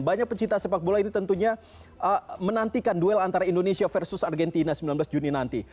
banyak pecinta sepak bola ini tentunya menantikan duel antara indonesia versus argentina sembilan belas juni nanti